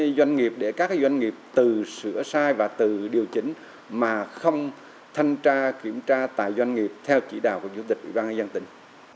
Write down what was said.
đồng thời ngành thuế thực hiện cảnh báo đến các doanh nghiệp từ sửa sai và từ điều chỉnh mà không thanh tra kiểm tra tại doanh nghiệp theo chỉ đạo của chủ tịch ubnd tỉnh